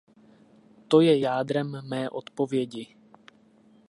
To je jádrem mé odpovědi.